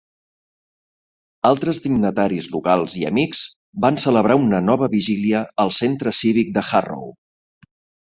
Altres dignataris locals i amics van celebrar una nova vigília al Centre Cívic de Harrow.